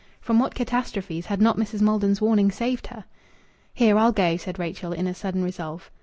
From what catastrophes had not Mrs. Maldon's warning saved her! "Here! I'll go," said Rachel, in a sudden resolve.